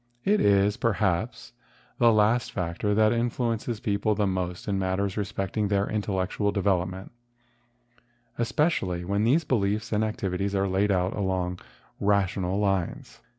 It is, perhaps, the last factor that influences people most in matters respecting their intellect¬ ual development, especially when these beliefs and activities are laid out along rational lines.